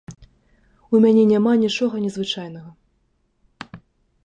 У мяне няма нічога незвычайнага.